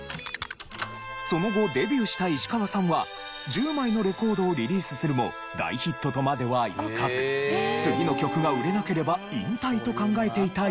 その後デビューした石川さんは１０枚のレコードをリリースするも大ヒットとまではいかず次の曲が売れなければ引退と考えていた矢先。